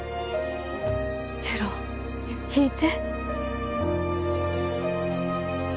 チェロを弾いて。